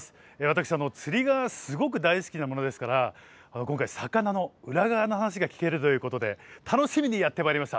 私釣りがすごく大好きなものですから今回魚の裏側の話が聞けるということで楽しみにやって参りました。